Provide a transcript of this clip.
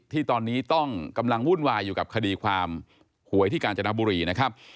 ที่ตอนนี้ต้องกำลังวุ่นวายอยู่กับคดีความหวยที่กาญจนบุรีนะครับ